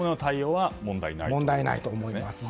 問題ないと思います。